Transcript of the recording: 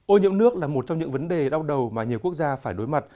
ô nhiễm nước là một trong những vấn đề đau đầu mà nhiều quốc gia phải đối mặt